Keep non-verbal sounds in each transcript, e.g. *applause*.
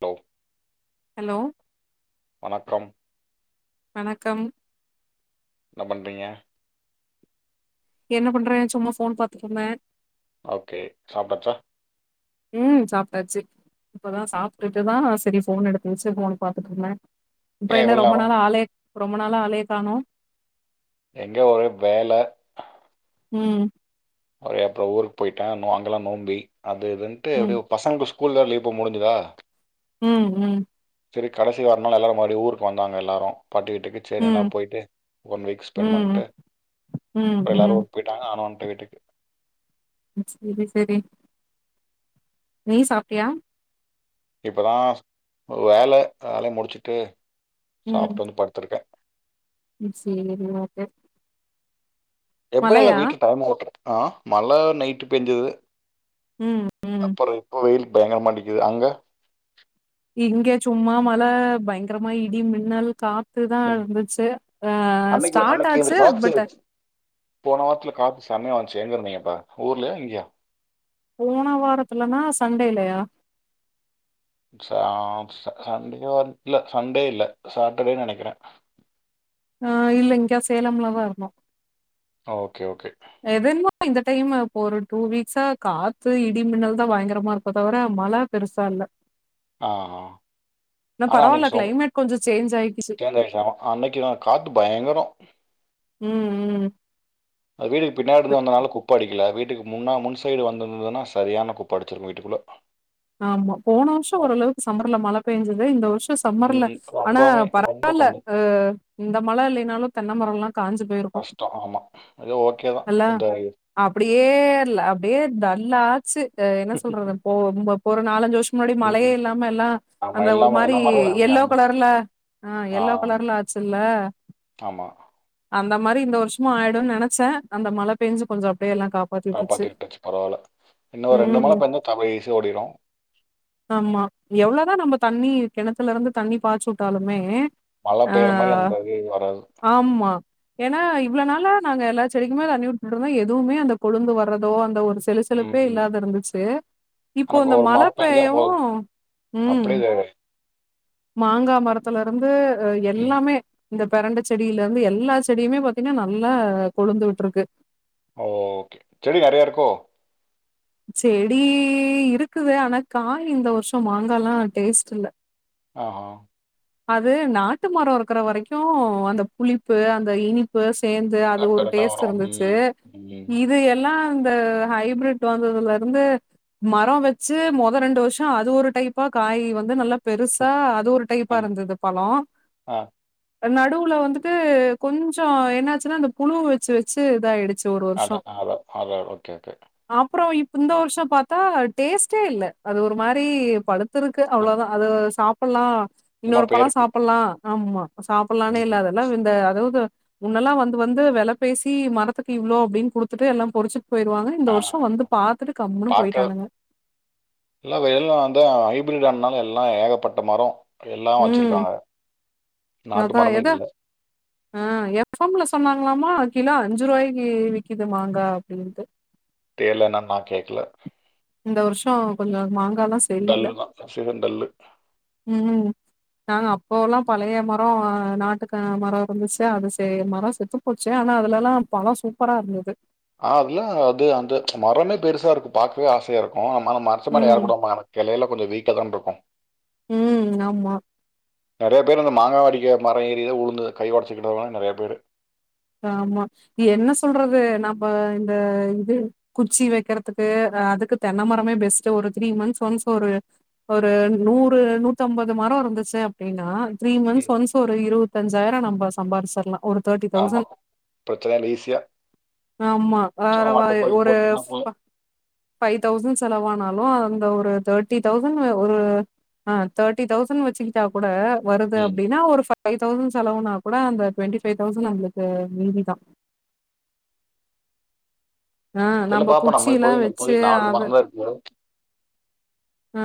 Low hello வணக்கம் வணக்கம் என்ன பண்ணறீங்க என்ன பண்றே சும்மா ஃபோன் பாத்துட்டு இருந்தே ஓகே சாப்பிடாச்சா ம் சாப்பிட்டாச்சு இப்பதா சாப்பிட்டுதா செரி ஃபோன் எடுத்து வெச்சு ஃபோன் பாத்துட்டு இருந்தே அப்புற ஏன் என்ன இவ்ளோ ரொம்ப நேரம்? நாள ஆளையே ரொம்ப நாள ஆளையே காணோ எங்க ஒரே வேலை ம் அப்ளயே அப்புறோ ஊருக்கு போயிட்டே ம்மே அங்கெல்லா நோம்பி அது இதுன்ட்டு ம் எப்டியூ பசங்களுக்கு ஸ்கூலல்ல லீவ் இப்போ முடிஞ்சதா ம் ம் செரி கடசி வாரணாலூ எல்லாரூ மறுபடிய ஊர்க்கு வந்தாங்க எல்லாரூ பாட்டி வீட்டுக்கு செரி எல்லா ம் போயி்ட்டு ஒன் வீக் ஸ்பெண்ட் பண்ட்டு ம் ம் அப்புறோ ம் எல்லாரூம் போய்ட்டாங்க நானூ வந்டே வீட்டுக்கு *unintelligible* செரி நீ சாப்ட்டியா இப்பதா வேல வேலைய முடிச்சிட்டு சாப்ட்டு வந்து படுத்துருக்கே இட்ஸ் சேவ் யூர் மதர் எப்பய்ல வீட்ல தலே ஓட்டறது ஆ மல நைட்டு் பேஞ்சது ம் ம் அப்புறோ இப்ப வெயில் பயங்கரமா அடிக்குது அங்க இங்க சும்மா மழ பயங்கரமா இடி மின்னல் காத் துதா இருந்துச்சு அ அன்னைக்கு ஸ்டார்ட் அன்னைக்கு இந்த ஆச்சு காத்து பட் போன வாரத்துல காத் சமையா வன்சு எங்க இருந்தீங்க அப்ப ஊர்லயா இங்ஙயா போன வாரத்துலனா சண்டேலயா சான்சு டெய்லியூ வர்து இல்ல சண்டே இல்ல சாட்டர்டே நெனைக்கிறே ஆ இல்ல ‌இங்கா சேலம்லா தா இருக்கோ ஆ ஓகே ஓகே அது என்னம்மோ இந்த டைம்ல இப்ப ஒரு டூ வீக்ஸா காத்து இடி மின்னல் தா பயங்கரமா இருக்கோ தவிர மழ பெருசா இல்ல ஆ ஆ. இல்ல ஆனா பரவால்ல அன்னைக்கு சோ கிளைமேட் கொஞ்சொ சேஞ்ச் ஆயிக்குச்சு அன்னைக்குனா காத்து பயங்கரோ ம் ம் அது வீட்டுக்கு பின்னடி இருந்னால குப்ப அடிக்கல வீட்டுக்கு முன்னா முன் சைடு வந்திருந்ததுன்னா சரியான குப்ப அடிச்சிருக்கூ வீட்டுக்குள்ளே ஆம் போன வருஷோ ஓரளவுக்கு சம்மர்ல மழை பெய்ஞ்சது இந்த வருஷோ சம்மர்ல ம், ஆனா ரொம்பவே ரொம்ப பரவால்ல கம்மி இந்த மழை இல்லைனாலூ தென்னை மரம்ல்லா காயஞ்சு போயிருக்கூ கஷ்டம் ஆமா அதே ஓகே தா இந்த அப்படியே அப்படியே தல்லாச்சு என்ன சொல்றது போ இம்ப ஒரு நாலஞ்சு வருஷொ முன்னாடி மழையே ம், இல்லாம எல்லா ஆமா அந்த ஒரு எல்லாமே மாரி எல்லா மரமும் அப்படியா எல்லோ இருந்தது கலர்ல ஆ எல்லோ கலர்ல ஆச்சுல்ல ஆமா அந்த மாரி இந்த வர்ஷமு ஆயிடுன் நெனச்சே அந்த மழ பேஞ்சு கொஞ்ச அப்டியே எல்லா காப் காப்பாத்தி விட்ருச்சு பரவால்ல இன்னு ரெண்டு மழ ம். பேஞ்சா தமிழ் ஈசியா ஓடிரு ஆமா எவ்ளோதா நம்ம தண்ணி கெணத்துல இருந்து தண்ணி பாய்ச்சு வுட்டாலுமே மழை ஆ பெய்யற மாரி அந்த இது வராது. ஆமா ஏன்னா இவ்ள நால நாங்க எல்லா செடிக்குமே தண்ணிவுட் இருந்தே எதுவுமே அந்த கொழுந்து வர்றதோ அந்த ஒரு ம், செலசெலுப்பே ம். இல்லாத இருந்துச்சு இப்போ ஆனா இந்த ஒரு மழை பெஞ்சா பேய்யவூ போதும். ம் அப்படியே இது மாங்கா மரத்துல இருந்து ம். எல்லாமே இந்த பரண்ட செடியில இருந்து எல்லா செடியுமே பாத்தீங்கன்னா நல்லா கொழுந்து விட்டுருக்கு ஓ செடி நெறய இருக்கோ செடி இருக்குது ஆனா காய் இந்த வருஷோ மாங்கால்லா டேஸ்ட் இல்ல ஆ ஹா அது நாட்டு மர இருக்கிற வரைக்கு அந்த புளிப்பு அந்த இனிப்பு சேந் து அது கரெக்ட், ஒரு கரெக்ட்டா டேஸ்ட் வரும். இருந்துச்சு ம், ம். இ இது எல்லா அந்த ஹைபிரிட் வந்ததுல இருந்து மர வச்சு மொத ரெண்டு வர்ஷ அது ஒரு டைப்பா காயி வந்து நல்லா பெருசா அது ஒரு டைப் அ, பா இருந்தது பழோ ஆ. அ நடுவுல வந்துட்டு கொஞ்ச என்னாச்சுனா அந்த புழு வெச்சு வெச்சு இதாய்டுச் அதனால அதா ஓகே ஓகே ஓகே அப்றோ இப் இந்த வர்ஷ பாத்தா டேஸ்ட்டே இல்ல அது ஒரு மாரி பழுத் த்தருக்கு அவ்ளோதா அது சாப்பிட்லா சும்மா இன்னொரு பழ பேருக்கு. சாப்பிட்லா ஆமா சாப்பிட்லானு ம். இல்லாதெல்லா இந்த அதாவ்து முன்னெல்லா வந்து வந்து வெல பேசி மரத்துக்கு இவ்ளோ அப்டின் குடுத்துட்டு எல்லா பொறிச்சிட்டு போயிருவாங்க இந்த ஆ. வர்ஷ வந்து பாத்துட்டு கம்முன்னு போயிட்டானுங்க இல்ல இப்ப எல்லா வந்து ஹைபிரிட் ஆனனால எல்லா ஏகப்பட்ட மர எல்லா ம். வச்சுருக்காங்க நாட்டு அதான் மரமே எத இல்ல ஆ எஃப் எம் ல சொன்னாங்களாமா கிலோ அஞ்சு ரூவாய்க்கு விக்கிது மாங்கா அப்டின்ட்டு தேல என்னன் நா கேக்கல இந்த வர்ஷ கொஞ்ச மாங்காலா டல்லு தா சீசன் டல்லு ம் நாங்க அப்போவ்லா பழைய மர அ நாட்டுக்கு மர இருந்துச்சா அது செ மர செத்துப் போச்சு ஆனா அதுலலா பழ சூப்பரா இருந்தது ஆ அதுலா அது அந்த மரமே பெருசா இருக்கு பாக்கவே ஆசையா இருக் கு மர மரத்து மேல ம், ஏறக் கூடாதுன்பாங்க ஆனா கெளைலா கொஞ்ச வீக்கா தான் இருக்கு ம் ஆமா நெறையா பேரூ இந்த மாங்காவ அடிக்க மர ஏறிலா உளுந்து கை ஒடைச்சிக்கிட்டவ்ங்களா நெறையா பேரு ஆமா என்ன சொல்றது நம்ம இந்த இது குச்சி வெக்கறத்துக்கு அதுக்கு தென்ன மரமே பெஸ்ட்டு ஒரு த்ரீ மந்த்ஸ் ஒன்ஸ் ஒரு ஒரு நூறு நூத்தம்பது மர இருந்துச்சு அப் ப்டினா த்ரீ மந்த்ஸ் ம். ஒன்ஸ் ஒரு இருவத்தஞ்சாயிர நம்ப சம்பாரிச்சிற்லா ஒரு ஆமா பிரச்சன இல்ல ஈசியா ஆமா வேறமாரி ஒருஸ் போதும். அ ஃபைவ் தௌசண்ட் செலவானாலு அந்த ஒரு தேர்ட்டி தௌசண்ட்ல ஒரு ஆ தேர்ட்டி தௌசண்ட் வச்சிக்கிட் ட்டா கூட வருது ம். அப்டினா ஒரு ஃபைவ் தௌசண் செலவுனா கூட அந்த டுவெண்ட்டி ஃபைவ் தௌசண் நம்ளுக் க்கு மீதிதா ஆ தெரில நம்ம பார்ப்போம். குச்சிலா இப்போதைக்கு வச்சி இப்போதைக்கு அத மரம் தான் இருக்கு. ஆ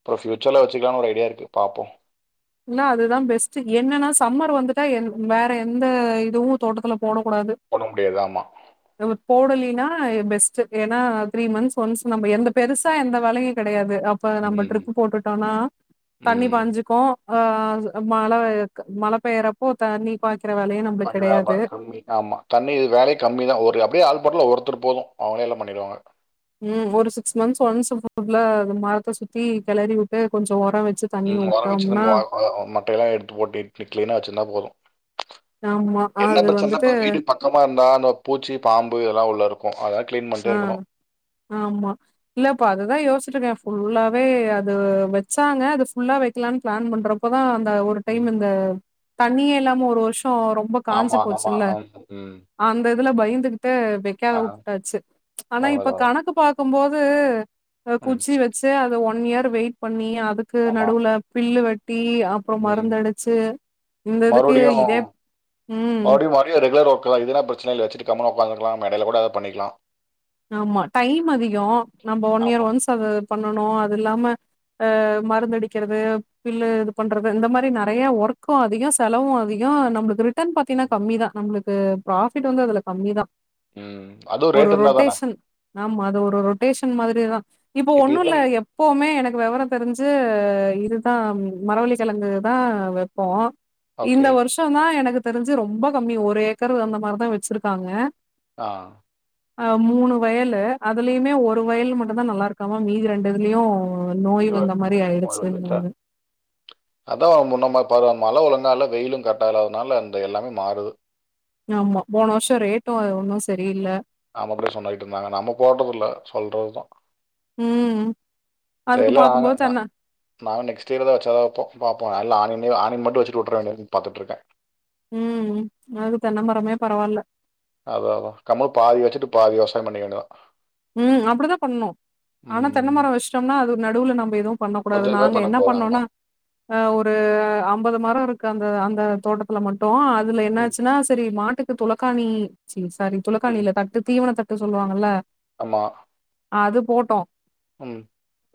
இப்ப ஃபியூச்சர்ல வச்சிக்கலான் ஒரு ஐடியா இருக்கு பாப்போ இன்னா அதுதா பெஸ்ட் என்னன்னா சம்மர் வந்துட்டா என் வேற எந்த இதுவு தோட்டத்துல போட கூடாது போட முடியாது ஆமா இவுத் போடலினா பெஸ்ட் ஏன்னா த்ரீ மந்த்ஸ் ஒன்ஸ் நம்ம எந்த பெருசா எந்த வேலையு கெடையாது அப்ப நம்ம ம். ட்ரிப்பு போட்டுட்டோனா தண்ணி ம். பாஞ்சுக்கு ஆ அ மழ இருக்க மழ பெய்றப்போ தண்ணி பாய்க்கிற வேலையு நம் பண்ணுவாங்க திரும்பி ஆமா தண்ணி வேலையு கம்மி தா ஒரு அப்டியே ஆள் போட்டாலு ஒருத்தர் போது அவ்ங்களே எல்லா பண்ணிருவாங்க ம் ஒரு சிக்ஸ் மந்த்ஸ் ஒன்ஸ் ஃப் *inaudible* ல மரத்த சுத்தி கெளறி விட்டு கொஞ்ச ஒர வெச்சு ம் ஒரு வச்சிருந்து நம்ம வாங்குனா மட்டையெல்லா எடுத்து போட்டு கிளி கிளீனா வச்சிருந்தா போது ஆமா என்னப் அது பிரச்சன்னா வந்துட்டு இப்ப வீடு பக் க்கமா இருந்தா அந்த பூச்சி பாம்பு இதெல்லா உள்ள இருக்கு அதெல்லா கிளீன் பண்ட்டே இருக்கணு ஆமா இல்ல இப்ப அதுதா யோசிட்ருக்கே ஃபுல்லாவே அது வச்சாங்க அது ஃபுல்லா வைக்கலான் பிளான் பண்றோ இப்பதா அந்த ஒரு டைம் இந்த தண்ணியே இல்லாம ஒரு வருஷோ ரொம்ப ரொம்ப காஞ்சு ஆமா ஆமா போச்சில்ல ஆம் ம் அந்த இதுல பயந்துகிட்டு வைக்காத ஆ உட்டாச்சி ஆனா இப்ப அவ்ளோதா கணக்கு பாக்குபோது அ ம் குச்சி வச்சி அத ஒன் இயர் வெயிட் பண்ணி அ இதுக்கு ஆமா நடுவுல பில்லு வெட்டி அப்புறோ ம் மருந்த அடிச்சி இந்த இதுக்கு இதே ம். மற்டியு மற்டியு ரெகுலர் ஒர்க்கலா இதுனா பிரச்சனல்ல வச்சிட்டு கம்னு உக்காந்துக்கலா மெடையில கூட அத பண்ணிக்கலா ஆமா டைம் அதிகோ நம்ப ஒன் இயர் ஆமா ஒன்ஸ் அத பண்ணனு அது இல்லாம ஆ மருந்து அடிக்கிறது பில்லு இது பண்றது இந்த மாரி நெறைய ஒர்க்கு அதிகோ செலவு அதிகோ நம்மளுக்கு ரிட்டன் பாத்தீன்னா கம்மி தா நம்ளுக்கு பிராஃபிட் வந்து அதுல கம்மிதா ம் அதுவு ரேட் இருந்தா தானா நாமா அது ஒரு ரொட்டேஷன் மாதிரிதா இப்போ இப்ப ஒன்னு இது இல்ல எப் ப்போமே எனக்கு வெவரோ தெரிஞ்சி இதுதா மரவள்ளிகெழங்குதா வப்போ ஓகே இந்த வருஷோதா எனக்கு தெரிஞ்சி ரொம்ப கம்மி ஒரு ஏக்கர் அந்த மாரிதா வச்சிருக்காங்க ஆ அ மூனு வயலு அதுலியுமே ஒரு வயல் மட்டுதா நல்லா இருக்காமா மீதி ரெண்டு இதுலியு இக்வர் போன் வந்திச்சா அதா முன்னமார் பருவ மழ ஒழுங்கா இல்ல வெயிலு கட்டால்லானால அந்த எல்லாமே மாறுது ஆமா போன வருஷோ ரேட்டு அ ஒன்னு சரியில்ல ஆமா அப்டி சொன்னைட்டு இருந்தாங்க நம்ப போட்டதுல்ல சொல்றதுதா ம் அதுக்கு தெர்ல நாங்க பாக்கும்போது தென்ன நாங்க நெக்ஸ்டியிர்தா வச்சாதா வப்போ பாப்போ அல்ல ஆணின் நீவ் ஆணின் மட்டு வச்சிட்டுவுட்டற வேண்டியனு பாத்துட்ருக்கே ம் அது தென்னமரமே பரவால்ல அதா அதா கம்மல் பாதி வச்சிட்டு பாதி விவசாயோ பண்ணிக்க வேண்டியதா ம் அப்புடிதா பண்ணு ஆனா ம் தென்னமரோ வஷ்டம்னா அது நடுவுல நம்ப எதும் பண்ணக்கூடாது கொஞ்சமே நாங்க பண்ண என்ன முடியாது பண்ணோனா ஆமாம் ஆ ஒரு அம்பது மரோ இருக்கு அந்த அந்த தோட்டத்துல மட்டு அ துல ம் என்னாச்சின்னா சரி மாட்டுக்கு துளக்கானி சி சாரி துளக்காணியில்ல தட் ட் தீவனத்தட்டு சொல்லுவாங்கல்ல ஆமா அது போட்டோ ம்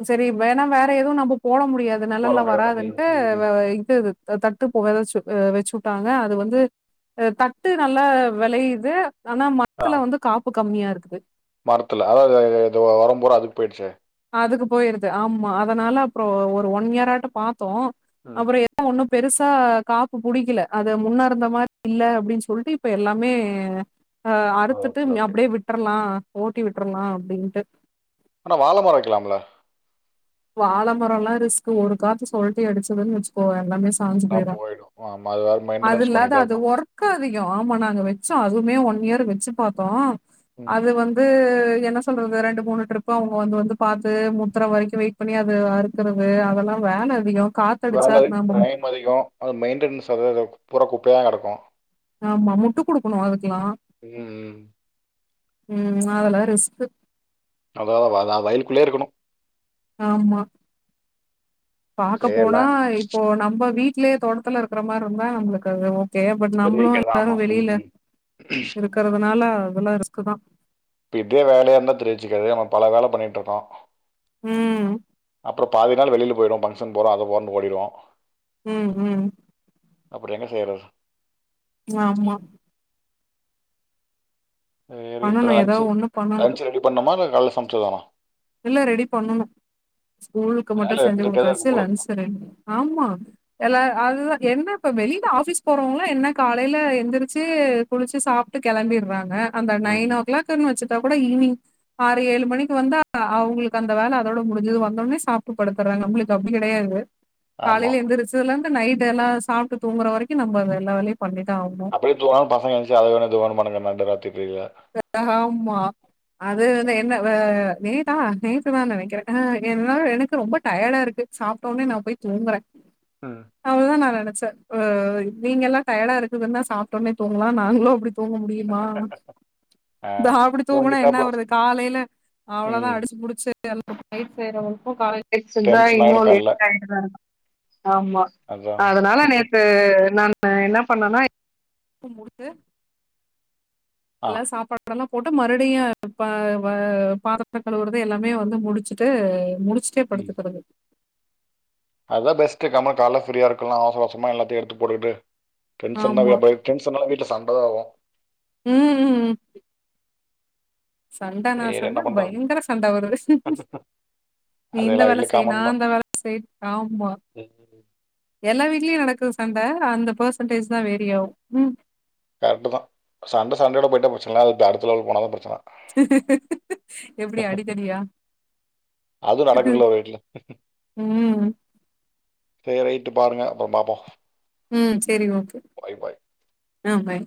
செரி வேணா வேற எதுவும் நம்ப போட முடியாது போட நெலல்ல முடியாது வராதுன்ட்டு ம் ம் அ இது தட்டு இப்ப அ வச்சுவுட்டாங்க அது வந்து தட்டு நல்லா வெளையுது ஆனா மரத்துல வந்து காப்பு கம்மியா இருக்குது மரத்துல அதான் இது இது ஒரம் புரா அதுக்கு போயிடுது அதுக்கு போயிருது ஆமா அதனால அப்புறம் ஒரு ஒன் இயர்ஆட்டோம் பாத்தோம் ம் அப்பறம் மரம் ஒன்னும் பெருசா காப்பு புடிக்கல அத முன்ன இருந்த மாரி இல்ல அப்டின் சொல்ட்டு இப்ப எல்லாமே அ அறுத்துட்டு ஓகே ஓகே அப்டியே விட்ரலாம் ஓட்டி விட்ரலாம் அப்டின்ட்டு ஆனா வாழை மரம் வைக்கலாம்ல வாழைமரம்லாம் ரிஸ்க்கு ஒரு காத்து சொழட்டி அடிச்சதுன்னு வச் கோ எல்லாமே சாஞ்சி நான் போயிரும் போயிடும் ஆமாம் அது வேறு அது மெயின்டெனன்ஸ் இல்லாத பண்ணிகிட்டே அது இருக்கணும் ஒ க்கு அதிகம் ஆமா வச்சோம் அதுவுமே ஒன் இயர் வெச்சு பாத்தோம் ம் அது வந் து என்ன சொல்றது ரெண்டு மூனு ட்ரிப் அவுங்க வந்து வந்து பாத்து மூத்தர வரைக்கு வெயிட் பண்ணி அது அறுக்கறது அதெல்லா வேல அதிகோ காத் வேலை டைம் அதிகோ அ மெயின்டன்ஸ் அத இத குபுற குப்பயாகடக்கு ஆமா முட்டு குடுக்கணு அதுக்கெலா ம் ம் ம் அதல்லா ரிஸ்க்கு அதா வதா வயலுக்குள்ளே இருக்கணு ஆமா பாக்கப் சரி போனா எல்லாம் இப் போ நம்ம வீட்லே தோட்டத்துல இருக்கிற மாரி இருந்தா நம்மளுக்கு தேவை பட்ட நம்மளும் தெரிவிக்கிறதா எல்லாரும் ஆமாம் வெளில ம் இருக்கறதுனால அதெல்லாம் ரிஸ்க்குதானே இப்ப இதே வேலையா இருந்தா தெரிஞ்சுக்காது ஆனா பல வேலை பண்ணிட்டு இருக்கோம் ம் அப்புறம் பாதி நாள் வெளில போயிடும் ஃபங்கஷன் போறோம் அங்க போறோன்டு ஓடிடுவோம் ம் ம் அப்பறம் என்ன செய்றது ஆமா செரி இப்போ பண்ணணும். ஏதோ லன்சு ஒண்ணு பண்ணணும். லன்சு ரெடி பண்ணுமா இல்ல காலையில சமைச்சதானா இல்ல ரெடி பண்ணணும் ஸ்கூலுக்கு வேலை மட்டும் செஞ்சு இருந்துகிட்டே தான் குடுத்தாச்சு இருக்கும் போல லன்ச் ரெடி பண் ஆமா எல்லா அதுதான் என்ன இப்ப வெளில ஆபீஸ் போறவங்களா என்ன காலையில எந்திரிச்சு குளிச்சு சாப்ட்டு கெளம்பிறாங்க அந்த ம் நைன் ஓ கிளாக்ன்னு வச்சுட்டா கூட ஈவினிங் ஆறு ஏழு மணிக்கு வந்தா அவுங்களுக்கு அந்த வேல அதோட முடிஞ்சது வந்தோனே சாப்டு படுத்துறாங்க நம்ளுக்கு அப்டி கெடையாது காலையில ஆமாம் எந்திரச்சதுல்லந்து நைட்டு எல்லா சாப்ட்டு தூங்குற வரைக்கும் நம்ம எல்லா வேலையும் பண்ணிதா ஆவனும் வீட்ல போனாலும் பசங்க எந்திருச்சு அத வேணும் இத வேணும் பாணுங்க நடு ராத்திரில ஆமா அது வந்து என்ன வ நேத்தா நேத்துதான் நெனைக்கறேன் அ என்னாலும் எனக்கு ரொம்ப டயர்டா இருக்கு சாப்பிட்டோன்னே நான் போய் தூங்கறேன் ம் அவ்ளதான் நான் நெனைச்சேன் அ நீங்கெல்லாம் டயர்டா இருக்குதுன்னா சாப்பிட்டோன்னே தூங்கலாம் நாங்களும் அப்டி தூங்க முடியுமா ஆ நான் அப்டி தூங்கனா தூங்கிட்டா அப்புறம் என்னாவரது காலைல ம் அவ்ளோதான் அடிச்சுப் புடுச்சு நைட் செய்றதுக்கும் காலைல செஞ்சா டென்ஷன் இன்னும் ஆகிடும் காலைல லேட் ஆயிரும் ஆமா அதான் அதனால நேத்து நானு நான் என்ன பண்ணுனேன்னா எல்லாம் முடுச்சு ஆ எல்லா சாப்பா அப்றம் தான் போட்டு மறுபடியும் அ வ பாத்தரத்தக் கழுவுறது எல்லாமே வந்து முடிச்சுட்டு முடிச்சு சிட்டே படுத்துக்கறது அதான் பெஸ்ட்டு கம்முனு கால்ல ஃப்ரீயா இருக்கலாம் அவசர அவசரமா எல்லாத்தையு எடுத்துப் போட்டுக்கிட்டு டென்ஷன்தான் ஆமா வீட்ல டென்ஷனானா வீட்ல சண்டதான் ஆவும் ம் ம் சண்டனா சரி என்ன சண்ட பண்ணுறது பயங்கர சண்ட வருது நீ அது இந்த எல்லாம் வேல வீட்டில் செய் காமன் நா தான் அந்த வேல செய் ஆம்மா எல்லா வீட்லயு நடக்குற சண்ட அந்த பெர்சன்டேஜ்தா வேரி ஆவு ம் கரெட்டுதா சண்ட சண்டயோட போய்ட்டா பிரச்சன இல்ல அது அடுத்த லெவலுக்கு போனாதா பிரச்சன எப்டி அடிதடியா அது நடக்குதுல்ல வீட்ல ம். சேரி ரைட்டு பாருங்க அப்றோம் பாப்போ ம் சேரி ஓகே ஆ பாய்